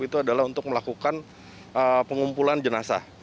itu adalah untuk melakukan pengumpulan jenazah